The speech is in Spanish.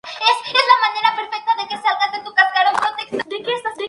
Estos vales pueden ser canjeados principalmente por comidas y almuerzos en algunos restaurantes.